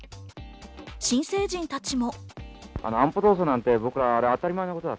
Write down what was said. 新成人たちも。